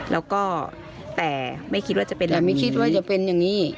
แล้วก็แต่ไม่คิดว่าจะเป็นหลังนี้